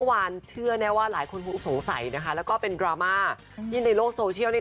เมื่ออันเมื่อวานเชื่อแนวว่าหลายคนนึงสงสัยนะคะและก็เป็นดราม่ายิ้นในโลกโซเชียลนี้